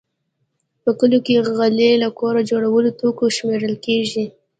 په کلیو کې غالۍ له کور جوړو توکو شمېرل کېږي.